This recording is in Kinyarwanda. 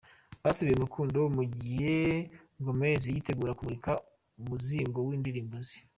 Basubiye mu rukundo mu gihe Gomez yitegura kumurika umuzingo w’indirimbo ze.